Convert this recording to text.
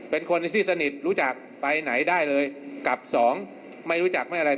เป็นคนที่สนิทรู้จักไปไหนได้เลยกับสองไม่รู้จักไม่อะไร